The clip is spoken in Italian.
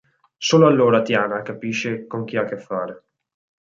Solo allora Tiana capisce con chi a che fare.